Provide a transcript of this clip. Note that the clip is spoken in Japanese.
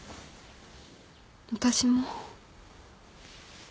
私も。